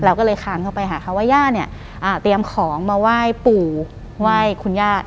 เราก็เลยคานเข้าไปหาเขาว่าย่าเนี่ยเตรียมของมาไหว้ปู่ไหว้คุณย่า